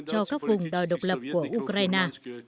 cho các vùng đòi độc lập của ukraine